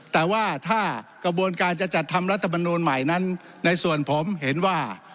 แต่ว่าถ้ากระบวนการจะจัดทำรัฐมนูลใหม่นั้นในส่วนผมเห็นว่า